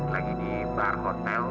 lagi di bar hotel